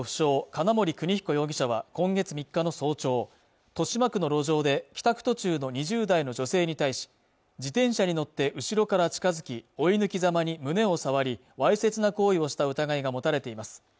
金森邦彦容疑者は今月３日の早朝豊島区の路上で帰宅途中の２０代の女性に対し自転車に乗って後ろから近づき追い抜きざまに胸を触りわいせつな行為をした疑いが持たれています